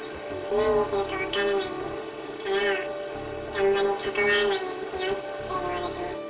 何するか分からないから、あんまり関わらないようにしなって言われてました。